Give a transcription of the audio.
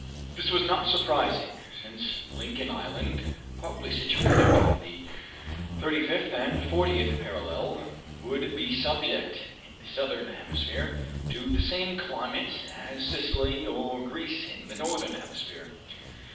This was not surprising, since Lincoln Island, probably situated between the thirty fifth and fortieth parallel, would be subject, in the Southern Hemisphere, to the same climate as Sicily or Greece in the Northern Hemisphere.